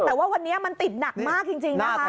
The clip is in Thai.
แต่ว่าวันนี้มันติดหนักมากจริงนะคะ